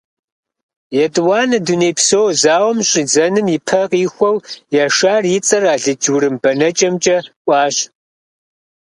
ЕтӀуанэ дунейпсо зауэм щӀидзэным и пэ къихуэу Яшар и цӀэр алыдж-урым бэнэкӀэмкӀэ Ӏуащ.